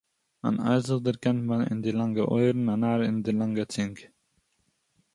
אַן אייזל דערקענט מען אין די לאַנגע אויערן, אַ נאַר אין דער לאַנגער צונג.